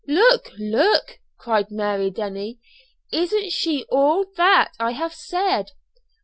"Look look!" cried Mary Denny. "Isn't she all that I have said?"